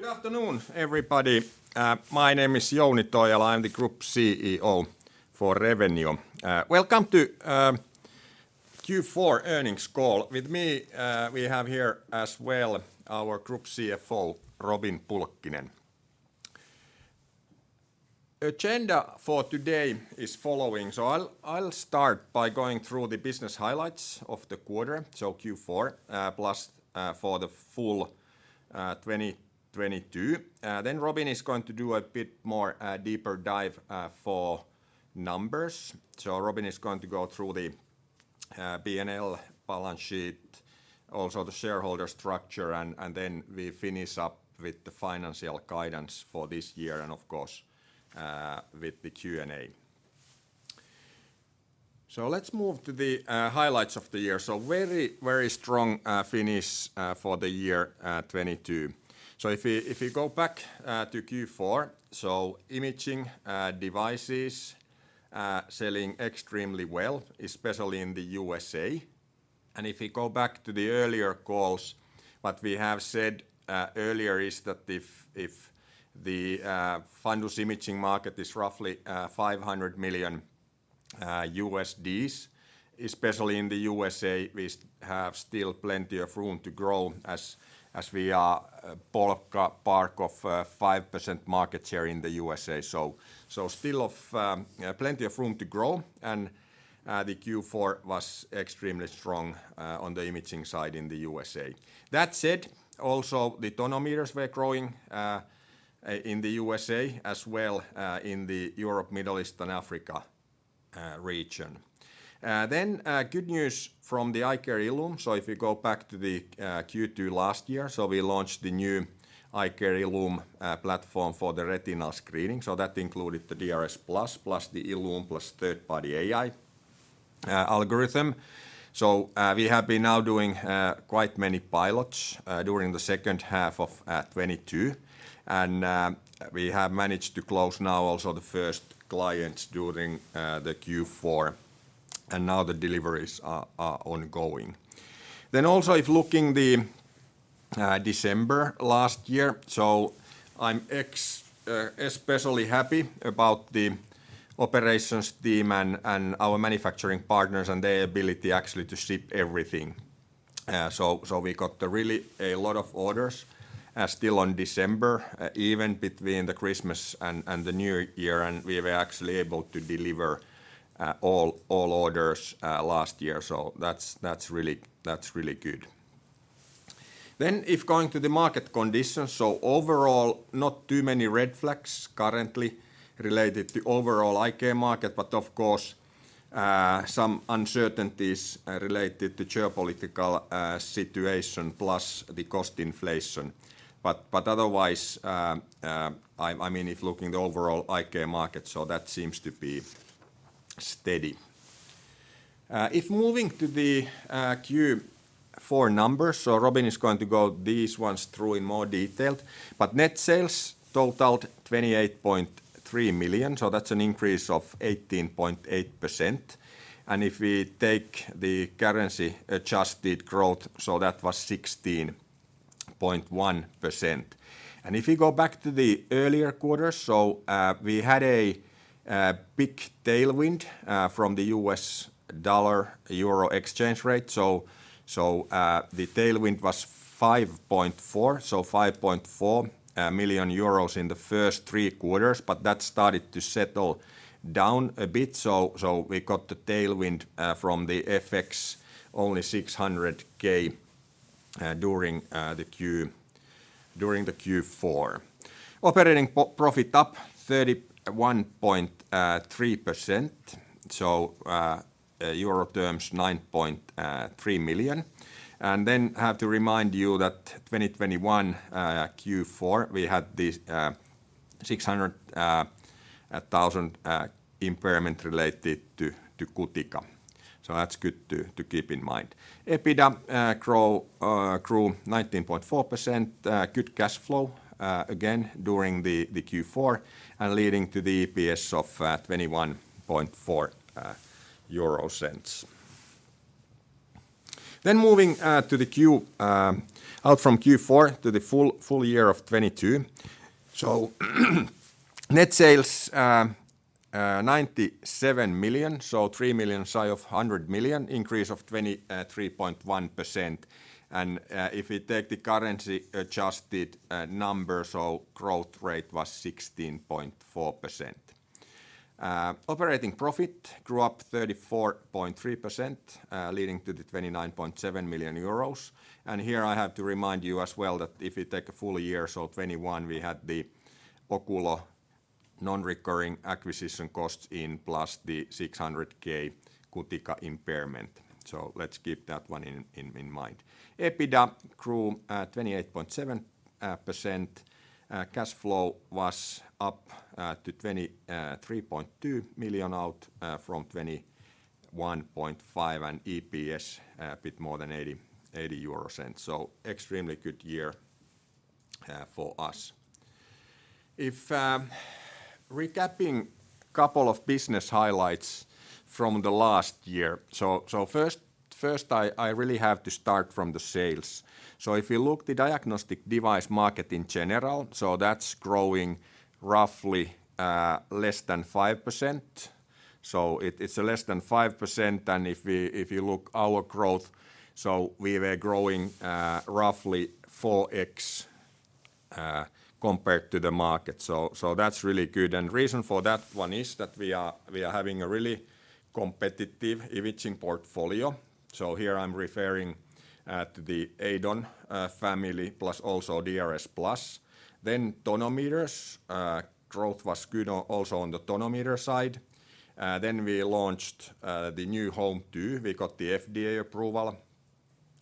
Good afternoon, everybody. My name is Jouni Toijala. I'm the Group CEO for Revenio. Welcome to Q4 earnings call. With me, we have here as well our Group CFO, Robin Pulkkinen. Agenda for today is following. I'll start by going through the business highlights of the quarter, Q4, plus for the full 2022. Robin is going to do a bit more deeper dive for numbers. Robin is going to go through the P&L balance sheet, also the shareholder structure, and we finish up with the financial guidance for this year and of course, with the Q&A. Let's move to the highlights of the year. Very, very strong finish for the year 2022. If you go back to Q4, imaging devices selling extremely well, especially in the USA. If you go back to the earlier calls, what we have said earlier is that if the fundus imaging market is roughly $500 million, especially in the USA, we have still plenty of room to grow as we are a bulk part of 5% market share in the USA. Still of plenty of room to grow, the Q4 was extremely strong on the imaging side in the USA. That said, also the tonometers were growing in the USA as well, in the Europe, Middle East and Africa region. Good news from the iCare ILLUME. If you go back to the Q2 last year, we launched the new iCare ILLUME platform for the retinal screening. That included the DRSplus, plus the ILLUME, plus third-party AI algorithm. We have been now doing quite many pilots during the second half of 2022. We have managed to close now also the first clients during the Q4, and now the deliveries are ongoing. Also, if looking the December last year, I'm especially happy about the operations team and our manufacturing partners and their ability actually to ship everything. We got a really a lot of orders still on December, even between the Christmas and the New Year, and we were actually able to deliver all orders last year. That's really good. If going to the market conditions, overall, not too many red flags currently related to overall eye care market, but of course, some uncertainties related to geopolitical situation plus the cost inflation. Otherwise, I mean, if looking the overall eye care market, that seems to be steady. If moving to the Q4 numbers, Robin is going to go these ones through in more detail. Net sales totaled 28.3 million, that's an increase of 18.8%. If we take the currency adjusted growth, that was 16.1%. If you go back to the earlier quarters, we had a big tailwind from the U.S dollar-euro exchange rate. The tailwind 5.4 million in the first three quarters, that started to settle down a bit. We got the tailwind from the FX only 600 thousand during the Q4. Operating profi t up 31.3%. So, the Euros terms 9.3 million. I have to remind you that 2021 Q4, we had this 600,000 impairment related to Cutica. That's good to keep in mind. EBITDA grew 19.4%, good cash flow again during the Q4 and leading to the EPS of EUR 0.214. Moving out from Q4 to the full year of 2022. Net sales 97 million, 3 million shy of 100 million, increase of 23.1%. If we take the currency adjusted numbers, growth rate was 16.4%. Operating profit grew up 34.3%, leading to 29.7 million euros. Here I have to remind you as well that if you take a full year, 2021, we had the Oculo non-recurring acquisition costs in plus the 600k Cutica impairment. Let's keep that one in mind. EBITDA grew 28.7%. Cash flow was up to 23.2 million out from 21.5 million, and EPS a bit more than 0.80 euros. Extremely good year for us. If recapping couple of business highlights from the last year. First, I really have to start from the sales. If you look the diagnostic device market in general, that's growing roughly less than 5%. It's less than 5% than if you look our growth, we were growing roughly 4x compared to the market. That's really good. Reason for that one is that we are having a really competitive imaging portfolio. Here I'm referring to the EIDON family plus also DRS+. Then tonometers. Growth was good also on the tonometer side. We launched the new HOME2. We got the FDA approval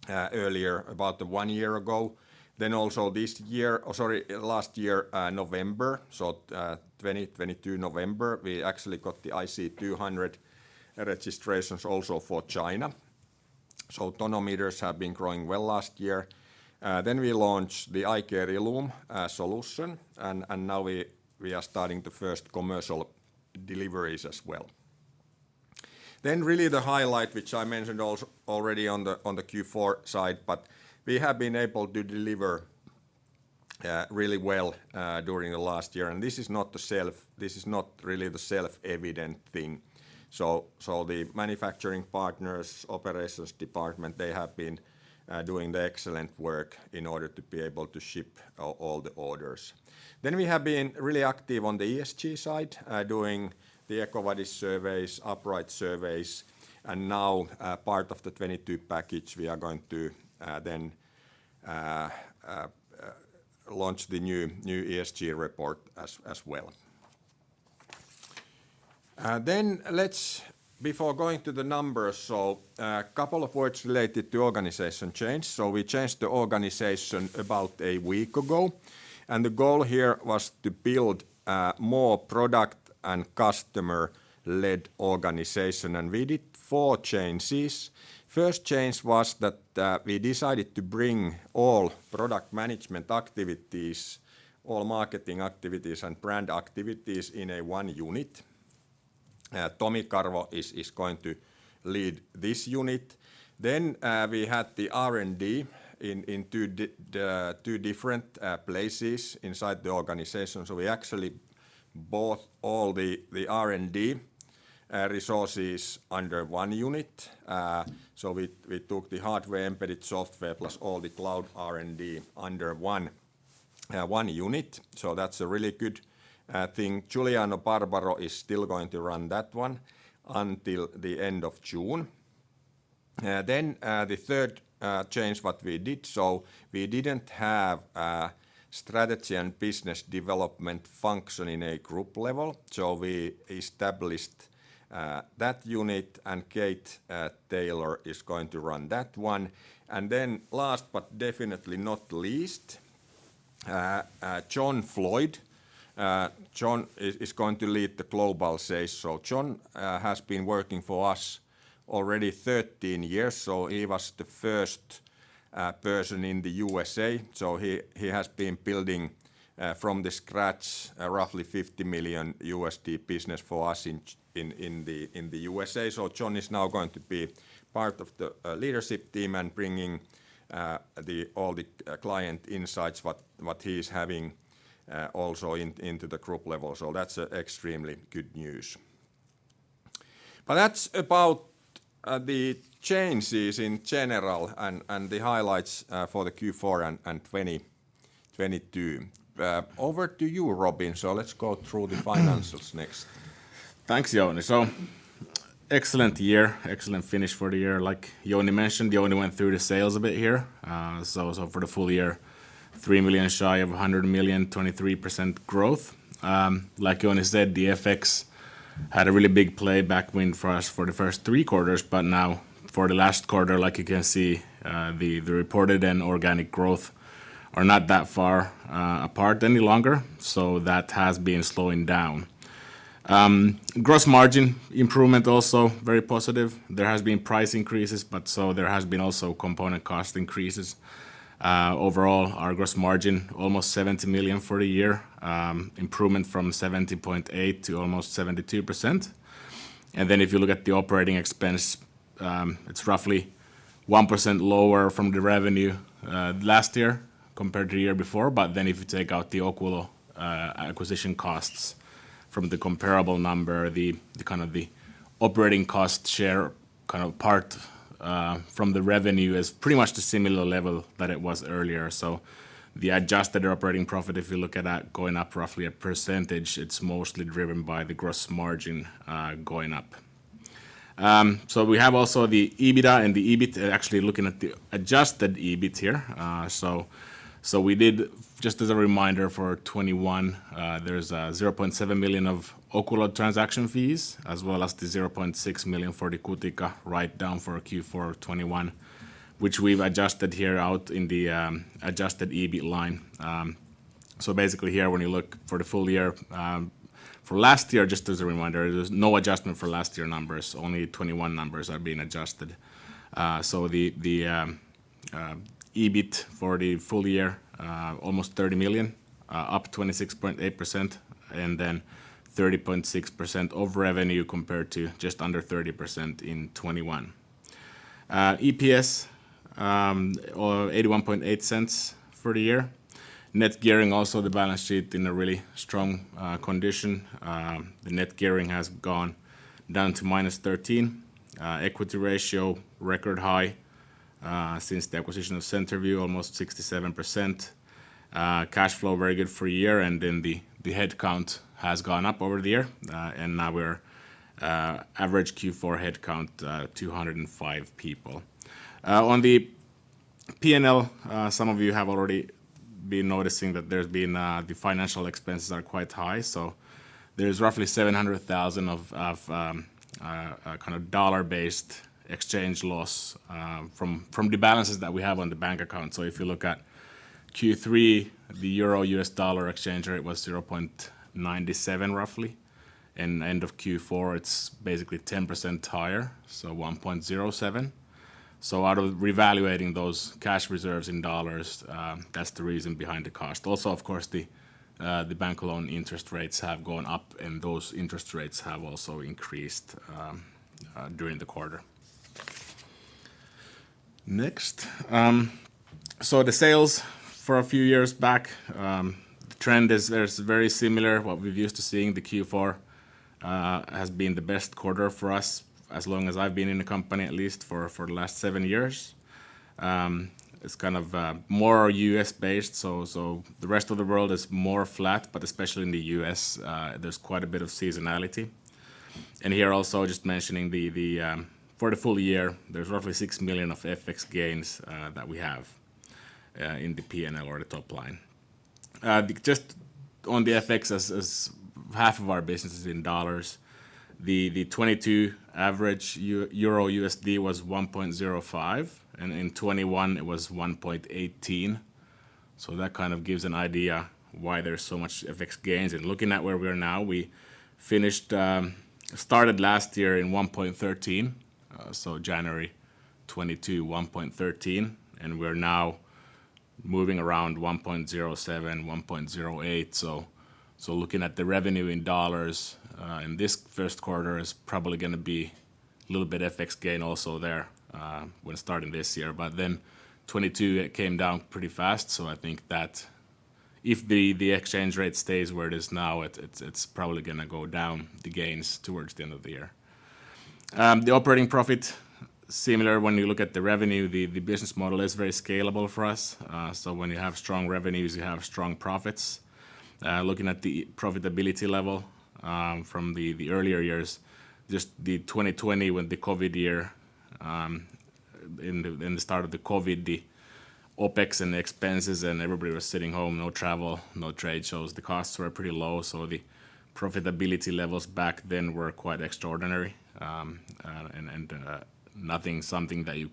earlier about one year ago. Also last year, November, so, 2022 November, we actually got the IC200 registrations also for China. Tonometers have been growing well last year. We launched the iCare ILLUME solution, and now we are starting the first commercial deliveries as well. Really the highlight, which I mentioned already on the Q4 side, but we have been able to deliver really well during the last year. This is not really the self-evident thing. The manufacturing partners, operations department, they have been doing the excellent work in order to be able to ship all the orders. We have been really active on the ESG side, doing the EcoVadis surveys, Upright surveys, and now, part of the 2022 package, we are going to then launch the new ESG report as well. Let's before going to the numbers, so couple of words related to organization change. We changed the organization about a week ago, and the goal here was to build more product and customer-led organization. We did four changes. First change was that we decided to bring all product management activities, all marketing activities, and brand activities in a one unit. Tomi Karvo is going to lead this unit. We had the R&D in the two different places inside the organization. We actually bought all the R&D resources under one unit. We took the hardware, embedded software, plus all the cloud R&D under one unit. That's a really good thing. Giuliano Barbaro is still going to run that one until the end of June. The third change what we did, we didn't have strategy and business development function in a group level. We established that unit, and Kate Taylor is going to run that one. Last, but definitely not least, John Floyd. John is going to lead the global sales. John has been working for us already 13 years, so he was the first person in the USA. He has been building from the scratch roughly $50 million business for us in the USA. John is now going to be part of the leadership team and bringing all the client insights what he is having also into the group level. That's extremely good news. That's about the changes in general and the highlights for the Q4 and 2022. Over to you, Robin. Let's go through the financials next. Thanks, Jouni. Excellent year, excellent finish for the year. Like Jouni mentioned, Jouni went through the sales a bit here. For the full year, 3 million shy of 100 million, 23% growth. Like Jouni said, the FX had a really big play backwind for us for the first three quarters. Now for the last quarter, like you can see, the reported and organic growth are not that far apart any longer. That has been slowing down. Gross margin improvement also very positive. There has been price increases, but so there has been also component cost increases. Overall, our gross margin almost 70 million for the year, improvement from 70.8% to almost 72%. If you look at the operating expense, it's roughly 1% lower from the revenue last year compared to year before. If you take out the Oculo acquisition costs from the comparable number, the kind of the operating cost share kind of part from the revenue is pretty much the similar level that it was earlier. The adjusted operating profit, if you look at that going up roughly a percentage, it's mostly driven by the gross margin going up. We have also the EBITDA and the EBIT, actually looking at the adjusted EBIT here. We did... Just as a reminder for 2021, there's 0.7 million of Oculo transaction fees as well as 0.6 million for the Cutica write-down for Q4 of 2021, which we've adjusted here out in the adjusted EBIT line. Basically here when you look for the full year, for last year just as a reminder, there's no adjustment for last year numbers. Only 2021 numbers are being adjusted. The EBIT for the full year, almost 30 million, up 26.8%, 30.6% of revenue compared to just under 30% in 2021. EPS, 0.818 for the year. Net gearing, also the balance sheet in a really strong condition. The net gearing has gone down to -13. Equity ratio, record high, since the acquisition of CenterVue, almost 67%. Cash flow, very good for a year, and the headcount has gone up over the year. Now we're average Q4 headcount, 205 people. On the P&L, some of you have already been noticing that there's been the financial expenses are quite high. There's roughly $700,000 of kind of dollar-based exchange loss from the balances that we have on the bank account. If you look at Q3, the Euro-U.S dollar exchange rate was 0.97, roughly. In end of Q4, it's basically 10% higher, 1.07. Out of revaluating those cash reserves in dollars, that's the reason behind the cost. Also, of course, the bank loan interest rates have gone up, those interest rates have also increased during the quarter. Next. The sales for a few years back, the trend is very similar what we've used to seeing. The Q4 has been the best quarter for us as long as I've been in the company, at least for the last seven years. It's kind of more U.S-based, the rest of the world is more flat, but especially in the U.S, there's quite a bit of seasonality. Here also just mentioning the. For the full year, there's roughly 6 million of FX gains that we have in the P&L or the top line. Just on the FX as half of our business is in dollars, the 2022 average EUR-USD was 1.05, and in 2021 it was 1.18. That kind of gives an idea why there's so much FX gains. Looking at where we are now, we started last year in 1.13, January 2022, 1.13, and we're now moving around 1.07, 1.08. Looking at the revenue in dollars, in this first quarter is probably gonna be a little bit FX gain also there when starting this year. 2022, it came down pretty fast. I think that if the exchange rate stays where it is now, it's probably gonna go down the gains towards the end of the year. The operating profit, similar when you look at the revenue, the business model is very scalable for us. When you have strong revenues, you have strong profits. Looking at the profitability level from the earlier years, just the 2020 when the COVID year, in the start of the COVID, the OpEx and the expenses and everybody was sitting home, no travel, no trade shows, the costs were pretty low. The profitability levels back then were quite extraordinary, and nothing, something that you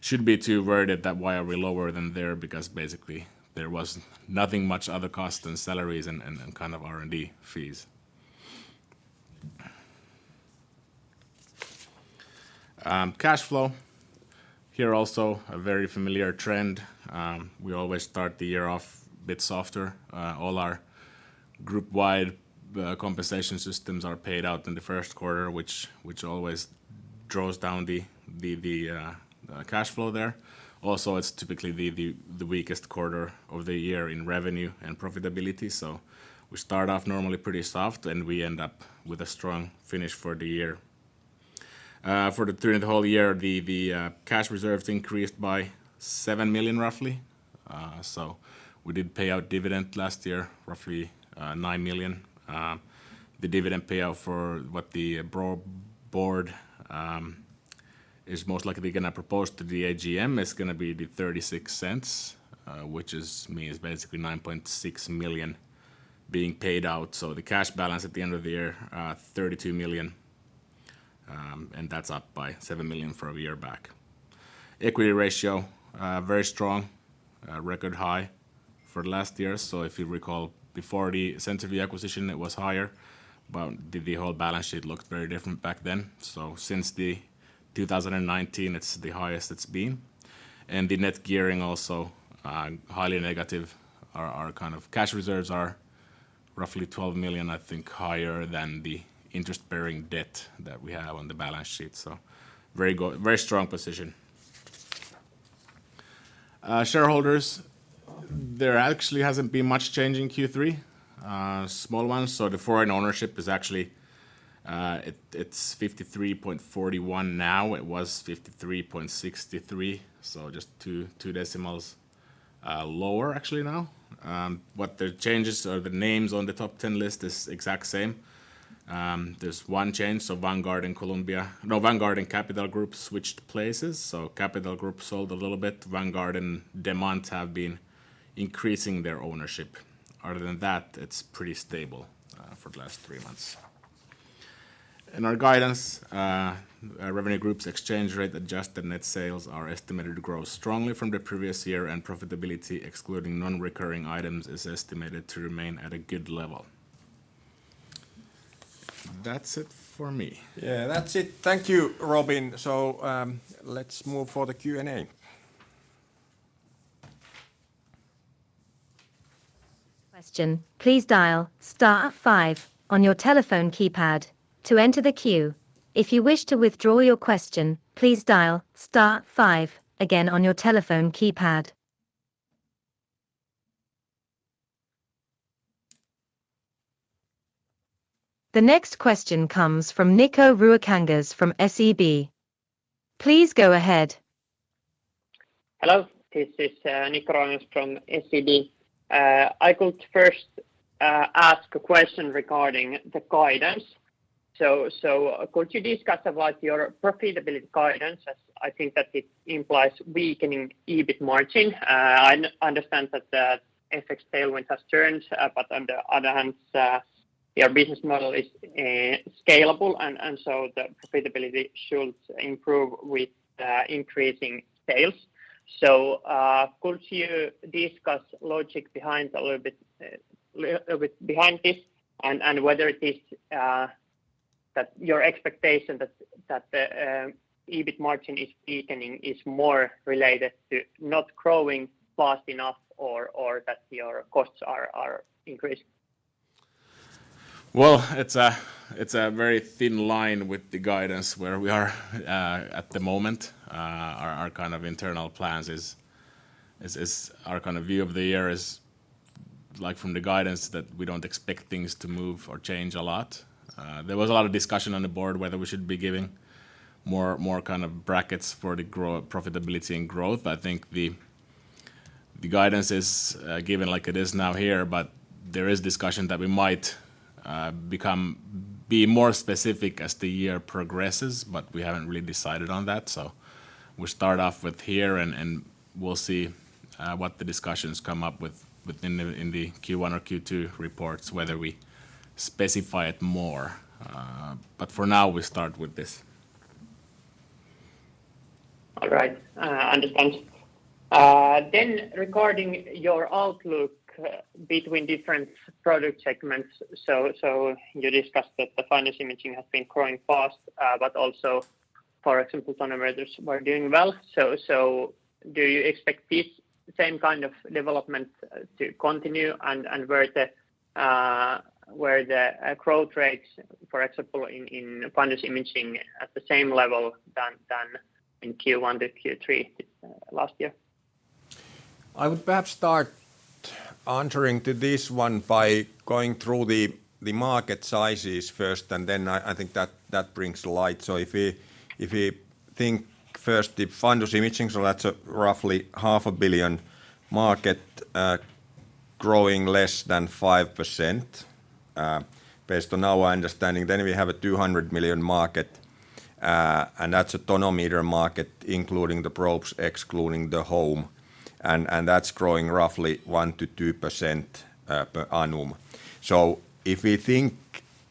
should be too worried at that why are we lower than there because basically there was nothing much other cost than salaries and kind of R&D fees. Cash flow, here also a very familiar trend. We always start the year off a bit softer. All our group-wide compensation systems are paid out in the first quarter, which always draws down the cash flow there. Also, it's typically the weakest quarter of the year in revenue and profitability. We start off normally pretty soft, and we end up with a strong finish for the year. During the whole year, cash reserves increased by 7 million, roughly. We did pay out dividend last year, roughly, 9 million. The dividend payout for what the broad board is most likely gonna propose to the AGM is gonna be the 0.36, which means basically 9.6 million being paid out. The cash balance at the end of the year, 32 million, and that's up by 7 million from a year back. Equity ratio, very strong, record high for last year. If you recall, before the CenterVue acquisition, it was higher, but the whole balance sheet looked very different back then. Since the 2019, it's the highest it's been. The net gearing also, highly negative. Our kind of cash reserves are roughly 12 million, I think, higher than the interest-bearing debt that we have on the balance sheet. Very good, very strong position. Shareholders, there actually hasn't been much change in Q3. Small ones. The foreign ownership is actually, it's 53.41 now. It was 53.63. Just two decimals, lower actually now. What the changes or the names on the top 10 list is exact same. There's one change, so Vanguard and Capital Group switched places. Capital Group sold a little bit. Vanguard and Demant have been increasing their ownership. Other than that, it's pretty stable for the last three months. In our guidance, Revenio Group's exchange rate adjusted net sales are estimated to grow strongly from the previous year, and profitability excluding non-recurring items is estimated to remain at a good level. That's it for me. Yeah, that's it. Thank you, Robin. Let's move for the Q&A. Question, please dial star five on your telephone keypad to enter the queue. If you wish to withdraw your question, please dial star five again on your telephone keypad. The next question comes from Nikko Ruokangas from SEB. Please go ahead. Hello, this is Nikko Ruokangas from SEB. I could first ask a question regarding the guidance. Could you discuss about your profitability guidance as I think that it implies weakening EBIT margin? I understand that the FX tailwind has turned, but on the other hand, your business model is scalable and so the profitability should improve with the increasing sales. Could you discuss logic behind a little bit behind this and whether it is that your expectation that the EBIT margin is weakening is more related to not growing fast enough or that your costs are increased? Well, it's a very thin line with the guidance where we are at the moment. Our kind of internal plans is our kind of view of the year is like from the guidance that we don't expect things to move or change a lot. There was a lot of discussion on the board whether we should be giving more kind of brackets for the profitability and growth. I think the guidance is given like it is now here, but there is discussion that we might be more specific as the year progresses, but we haven't really decided on that. We start off with here and we'll see what the discussions come up with within the Q1 or Q2 reports, whether we specify it more. For now we start with this. All right. Understood. Regarding your outlook between different product segments, so you discussed that the fundus imaging has been growing fast, but also, for example, tonometers were doing well. Do you expect this same kind of development to continue and were the growth rates, for example, in fundus imaging at the same level than in Q1 to Q3 this last year? I would perhaps start answering to this one by going through the market sizes first. I think that brings light. If we think first the fundus imaging, that's roughly a half a billion USD market, growing less than 5% based on our understanding. We have a 200 million market, and that's a tonometer market, including the probes, excluding the iCare HOME, and that's growing roughly 1%-2% per annum. If we think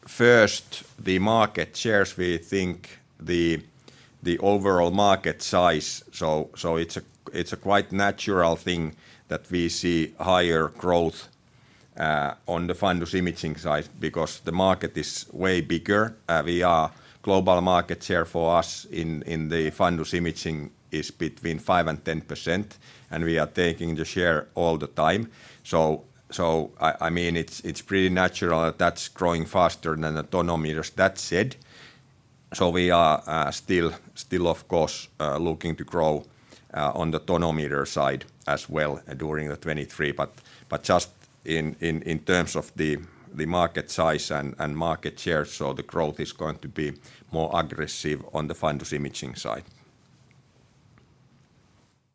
first the market shares, we think the overall market size, it's a quite natural thing that we see higher growth on the fundus imaging side because the market is way bigger. We are global market share for us in the fundus imaging is between 5% and 10%. We are taking the share all the time. I mean it's pretty natural that that's growing faster than the tonometers. That said, we are still of course looking to grow on the tonometer side as well during 2023. Just in terms of the market size and market share, the growth is going to be more aggressive on the fundus imaging side.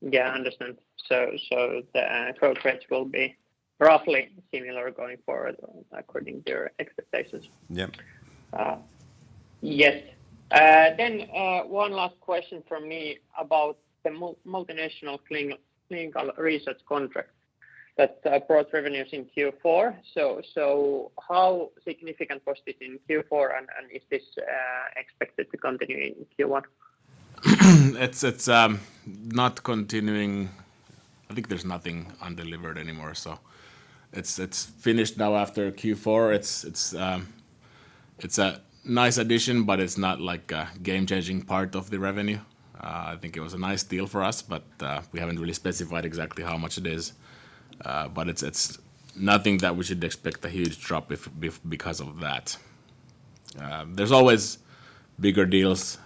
Yeah, I understand. The growth rates will be roughly similar going forward according to your expectations. Yeah. Yes. One last question from me about the multinational clinical research contract that brought revenues in Q4. How significant was this in Q4 and is this expected to continue in Q1? It's not continuing. I think there's nothing undelivered anymore. It's finished now after Q4. It's a nice addition, but it's not like a game-changing part of the revenue. I think it was a nice deal for us, but we haven't really specified exactly how much it is. It's nothing that we should expect a huge drop because of that. There's always bigger deals.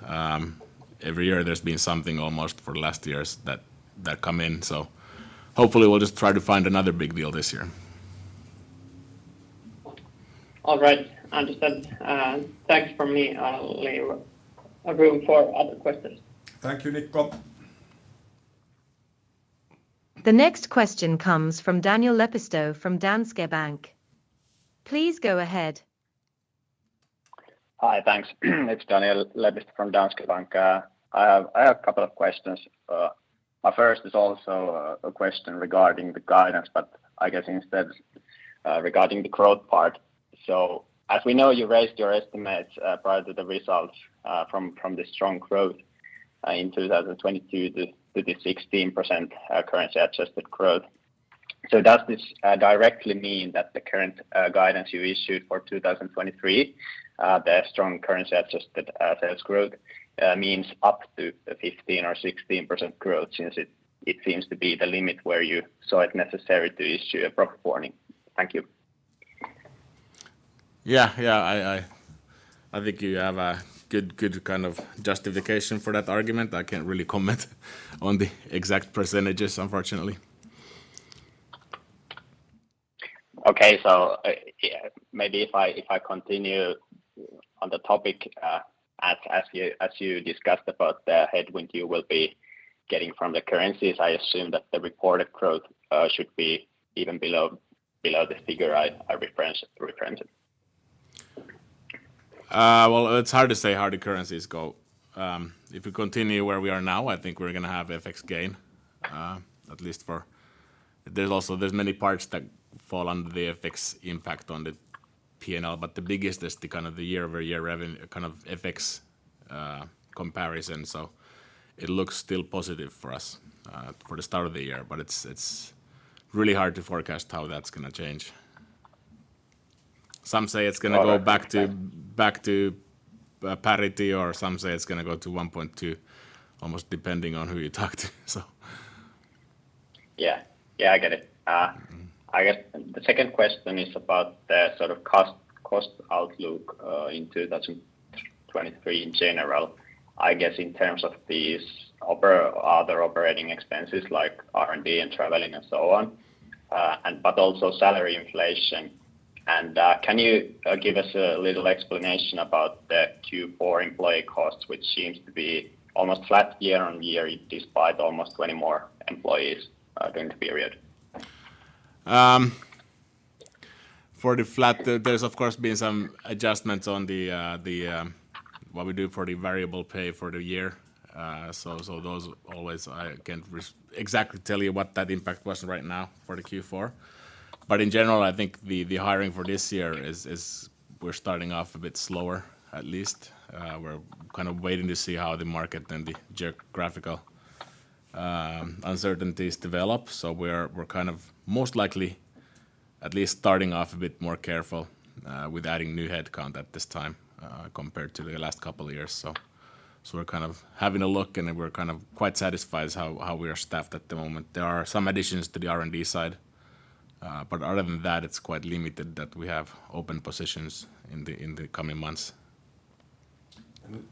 Every year there's been something almost for the last years that come in. Hopefully we'll just try to find another big deal this year. All right. Understood. Thanks from me. I'll leave room for other questions. Thank you, Nikko. The next question comes from Daniel Lepistö from Danske Bank. Please go ahead. Hi. Thanks. It's Daniel Lepistö from Danske Bank. I have a couple of questions. My first is also a question regarding the guidance, but I guess instead, regarding the growth part. As we know, you raised your estimates prior to the results from the strong growth in 2022 to the 16% currency-adjusted growth. Does this directly mean that the current guidance you issued for 2023, the strong currency-adjusted sales growth, means up to a 15% or 16% growth since it seems to be the limit where you saw it necessary to issue a proper warning? Thank you. Yeah. Yeah. I think you have a good kind of justification for that argument. I can't really comment on the exact percentages, unfortunately. Okay. Yeah, maybe if I continue on the topic, as you discussed about the headwind you will be getting from the currencies, I assume that the reported growth should be even below the figure I referenced. Well, it's hard to say how the currencies go. If we continue where we are now, I think we're gonna have FX gain, at least for. There's also many parts that fall under the FX impact on the P&L, but the biggest is the kind of the year-over-year kind of FX comparison. It looks still positive for us, for the start of the year, but it's really hard to forecast how that's gonna change. Some say it's gonna go back to. Oh.... back to parity, or some say it's gonna go to 1.2, almost depending on who you talk to. Yeah. Yeah. I get it. Mm-hmm I guess the second question is about the sort of cost outlook in 2023 in general, I guess in terms of these other operating expenses like R&D and traveling and so on, but also salary inflation. Can you give us a little explanation about the Q4 employee costs, which seems to be almost flat year-on-year, despite almost 20 more employees during the period? For the flat, there's of course been some adjustments on the what we do for the variable pay for the year. Those always I can exactly tell you what that impact was right now for the Q4. In general, I think the hiring for this year is we're starting off a bit slower, at least. We're kind of waiting to see how the market and the geographical uncertainties develop. We're kind of most likely at least starting off a bit more careful with adding new headcount at this time compared to the last couple of years. We're kind of having a look, and then we're kind of quite satisfied how we are staffed at the moment. There are some additions to the R&D side, but other than that, it's quite limited that we have open positions in the, in the coming months.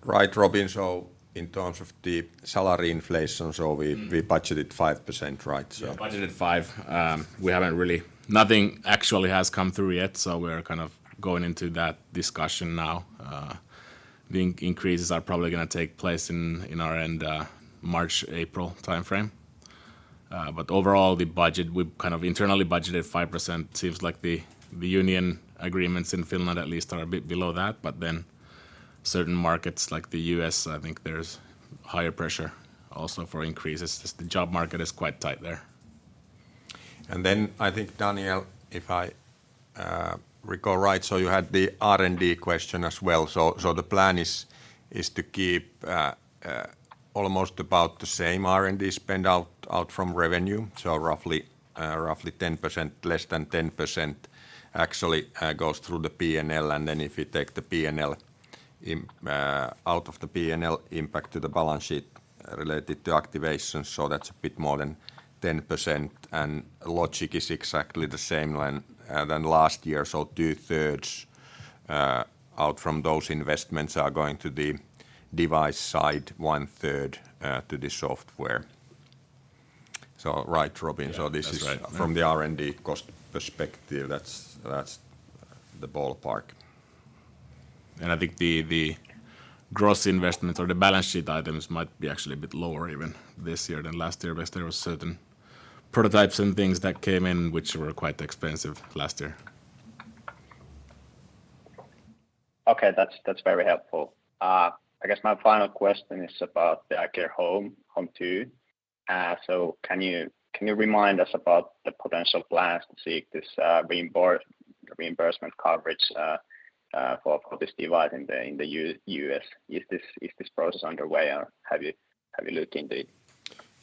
Right, Robin, so in terms of the salary inflation. Mm... we budgeted 5%, right? Yeah. Budgeted 5%. We haven't really... Nothing actually has come through yet, we're kind of going into that discussion now. The increases are probably gonna take place in our end, March, April timeframe. Overall, the budget, we kind of internally budgeted 5%. Seems like the union agreements in Finland at least are a bit below that. Certain markets like the U.S I think there's higher pressure also for increases since the job market is quite tight there. I think, Daniel Lepistö, if I recall right, you had the R&D question as well. The plan is to keep almost about the same R&D spend from revenue, roughly 10%. Less than 10% actually goes through the P&L. If you take the P&L out of the P&L impact to the balance sheet related to activation, that's a bit more than 10%. Logic is exactly the same when than last year. 2/3 out from those investments are going to the device side, 1/3 to the software. Right, Robin. Yeah. That's right. Yeah.... from the R&D cost perspective, that's the ballpark. I think the gross investments or the balance sheet items might be actually a bit lower even this year than last year because there was certain prototypes and things that came in which were quite expensive last year. Okay. That's very helpful. I guess my final question is about the iCare HOME, HOME2. Can you remind us about the potential plans to seek this reimbursement coverage for this device in the U.S? Is this process underway or have you looked into it?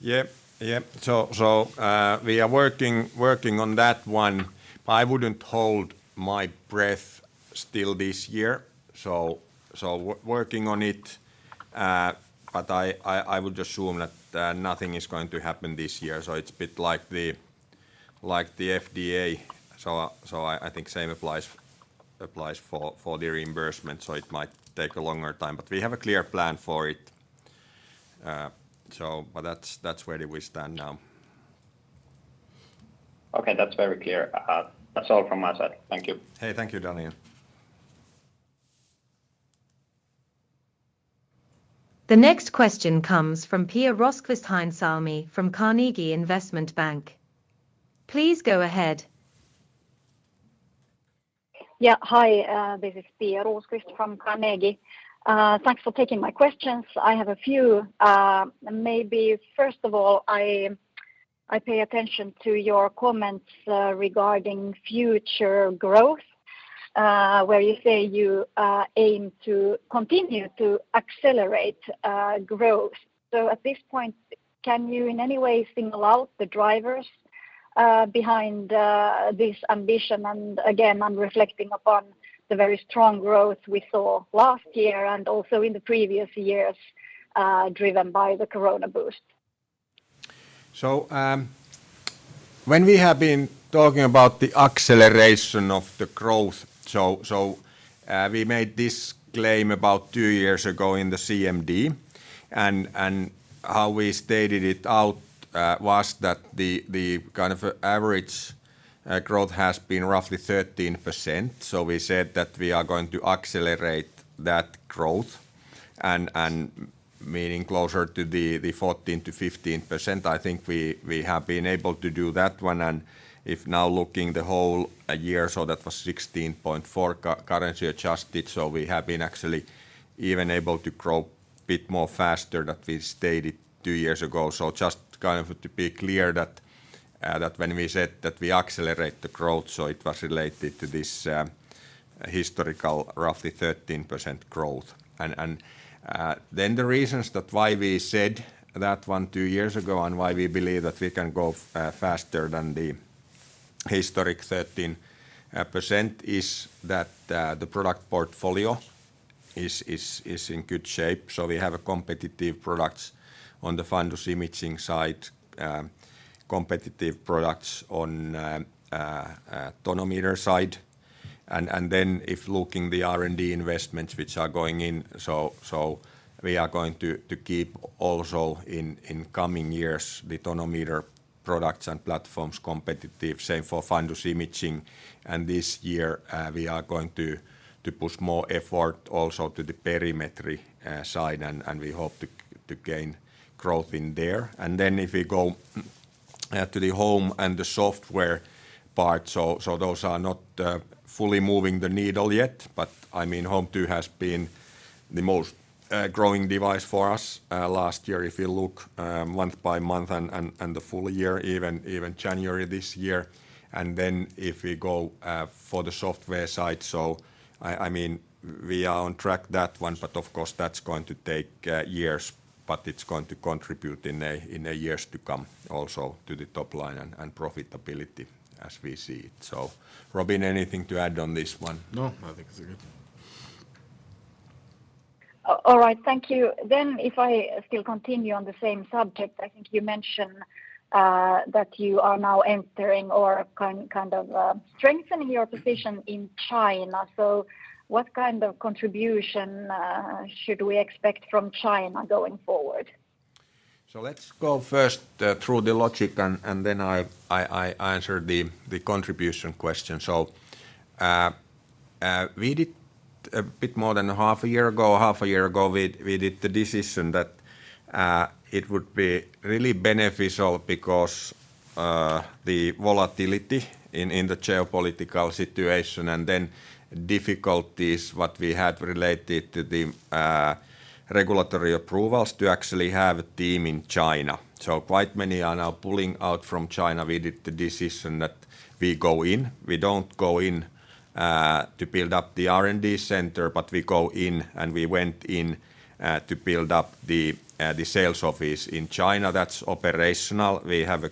Yeah. We are working on that one. I wouldn't hold my breath still this year. Working on it. I would assume that nothing is going to happen this year. It's a bit like the FDA. I think same applies for the reimbursement, so it might take a longer time. We have a clear plan for it. That's where we stand now. Okay. That's very clear. That's all from my side. Thank you. Hey, thank you, Daniel. The next question comes from Pia Rosqvist-Heinsalmi from Carnegie Investment Bank. Please go ahead. Hi, this is Pia Rosqvist from Carnegie. Thanks for taking my questions. I have a few. Maybe first of all, I pay attention to your comments regarding future growth. Where you say you aim to continue to accelerate growth. At this point, can you in any way single out the drivers behind this ambition? Again, I'm reflecting upon the very strong growth we saw last year and also in the previous years, driven by the corona boost. When we have been talking about the acceleration of the growth, so we made this claim about two years ago in the CMD, and how we stated it out was that the kind of average growth has been roughly 13%. We said that we are going to accelerate that growth meaning closer to the 14%-15%. I think we have been able to do that one. If now looking the whole year, so that was 16.4 currency adjusted. We have been actually even able to grow a bit more faster that we stated two years ago. Just kind of to be clear that when we said that we accelerate the growth, so it was related to this historical roughly 13% growth. The reasons that why we said that 1, 2 years ago and why we believe that we can grow faster than the historic 13% is that the product portfolio is in good shape. We have competitive products on the fundus imaging side, competitive products on tonometer side. If looking the R&D investments which are going in, we are going to keep also in coming years the tonometer products and platforms competitive, same for fundus imaging. This year, we are going to push more effort also to the perimetry side and we hope to gain growth in there. If we go to the home and the software part, so those are not fully moving the needle yet. I mean, Home2 has been the most growing device for us last year if you look month by month and the full year, even January this year. If we go for the software side, I mean, we are on track that one, but of course that's going to take years. It's going to contribute in a years to come also to the top line and profitability as we see it. Robin, anything to add on this one? No, I think it's good. All right. Thank you. If I still continue on the same subject, I think you mentioned that you are now entering or kind of strengthening your position in China. What kind of contribution should we expect from China going forward? Let's go first through the logic and then I answer the contribution question. We did a bit more than half a year ago. Half a year ago, we did the decision that it would be really beneficial because the volatility in the geopolitical situation and then difficulties what we had related to the regulatory approvals to actually have a team in China. Quite many are now pulling out from China. We did the decision that we go in. We don't go in to build up the R&D center, but we go in and we went in to build up the sales office in China that's operational. We have a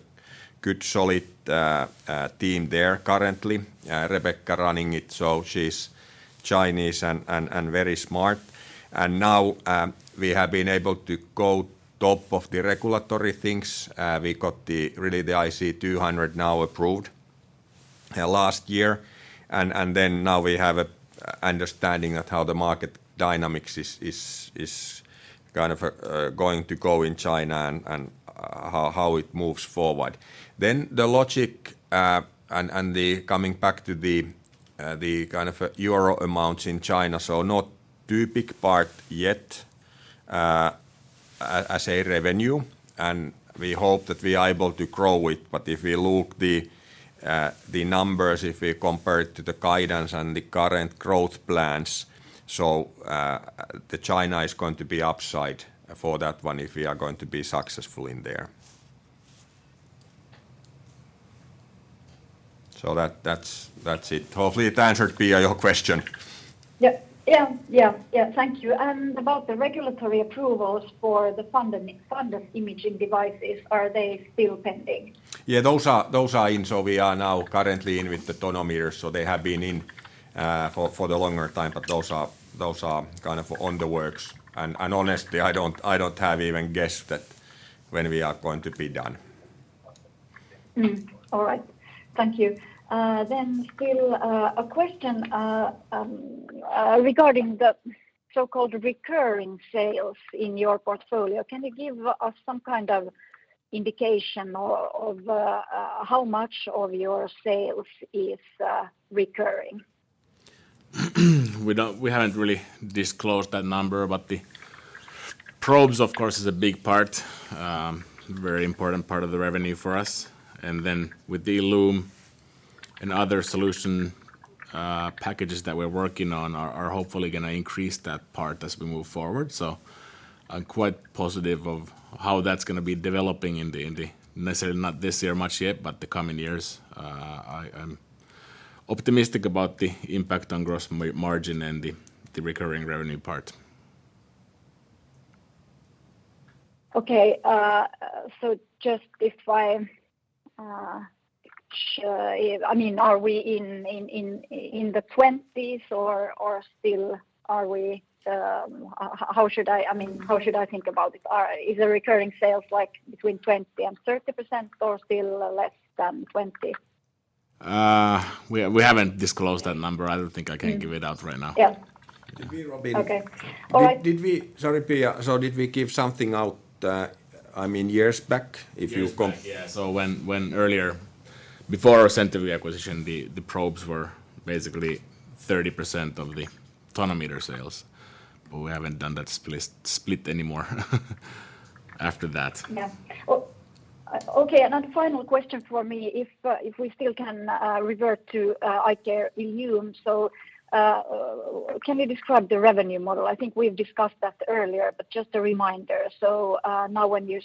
good solid team there currently. Rebecca running it, so she's Chinese and very smart. Now, we have been able to go top of the regulatory things. We got the really the iCare IC200 now approved last year. Now we have a understanding of how the market dynamics is kind of going to go in China and how it moves forward. The logic, and the coming back to the kind of EUR amounts in China, not too big part yet as a revenue, and we hope that we are able to grow it. If we look the numbers, if we compare it to the guidance and the current growth plans, the China is going to be upside for that one if we are going to be successful in there. That's it. Hopefully it answered, Pia, your question. Yeah. Yeah. Yeah. Yeah. Thank you. About the regulatory approvals for the fundus imaging devices, are they still pending? Yeah, those are in. We are now currently in with the tonometers. They have been in for the longer time, but those are kind of on the works. honestly, I don't have even guessed that when we are going to be done. All right. Thank you. Still, a question regarding the so-called recurring sales in your portfolio. Can you give us some kind of indication of how much of your sales is recurring? We haven't really disclosed that number, but the probes of course is a big part, very important part of the revenue for us. With the iCare ILLUME and other solution packages that we're working on are hopefully gonna increase that part as we move forward. I'm quite positive of how that's gonna be developing. Necessarily not this year much yet, but the coming years, I am optimistic about the impact on gross margin and the recurring revenue part. Okay. Just if I mean, are we in the 20s or still are we? I mean, how should I think about it? Is the recurring sales like between 20 and 30% or still less than 20? We haven't disclosed that number. I don't think I can give it out right now. Yeah. Did we, Robin- Okay. All right. Sorry, Pia. Did we give something out, I mean, years back if you. Years back, yeah. When earlier, before our CenterVue acquisition, the probes were basically 30% of the tonometer sales, but we haven't done that split anymore after that. Yeah. Well, okay, another final question for me. If, if we still can revert to iCare ILLUME. Can you describe the revenue model? I think we've discussed that earlier, but just a reminder. Now when you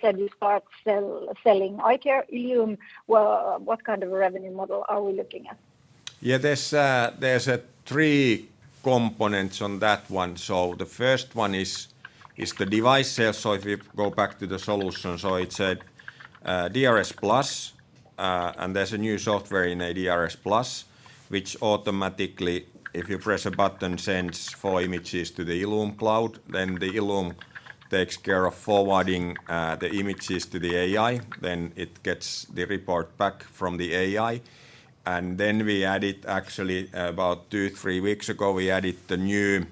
said you start selling iCare ILLUME, well, what kind of a revenue model are we looking at? Yeah, there's three components on that one. The first one is the device sales. If you go back to the solution, it's a iCare DRSplus, and there's a new software in the iCare DRSplus, which automatically if you press a button, sends four images to the ILLUME cloud. Then the ILLUME takes care of forwarding the images to the AI. Then it gets the report back from the AI. Then we added actually about two, three weeks ago, we added the new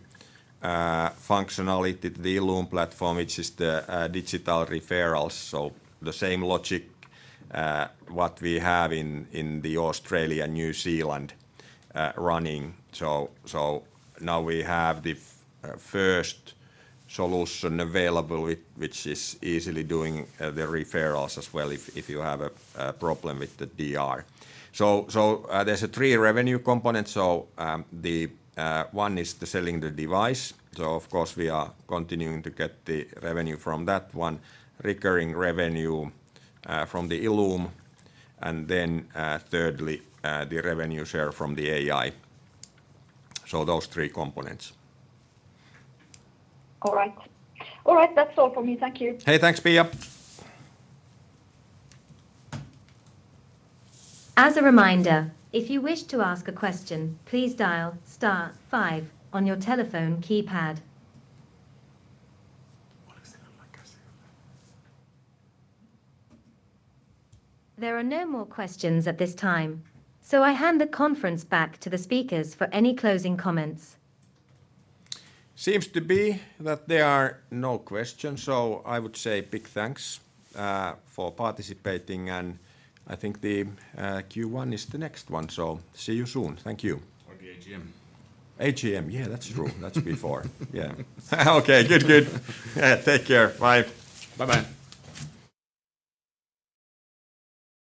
functionality to the ILLUME platform, which is the digital referrals. The same logic what we have in the Australia, New Zealand running. Now we have the first solution available which is easily doing the referrals as well if you have a problem with the DR. There's three revenue components. The one is the selling the device. Of course, we are continuing to get the revenue from that one, recurring revenue from the ILLUME, and then, thirdly, the revenue share from the AI. Those three components. All right. All right. That's all for me. Thank you. Hey, thanks, Pia. As a reminder, if you wish to ask a question, please dial star 5 on your telephone keypad. There are no more questions at this time, I hand the conference back to the speakers for any closing comments. Seems to be that there are no questions. I would say big thanks for participating, and I think the Q1 is the next one. See you soon. Thank you. The AGM. AGM. Yeah, that's true. That's before. Yeah. Okay. Good. Good. Take care. Bye. Bye-bye.